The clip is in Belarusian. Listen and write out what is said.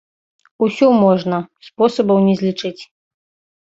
Усё можна, спосабаў не злічыць.